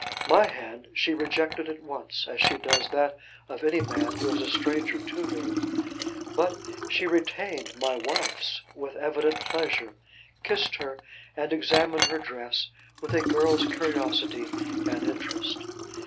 My hand she rejected at once, as she does that of any man who is a stranger to her. But she retained my wife's with evident pleasure, kissed her, and examined her dress with a girl's curiosity and interest.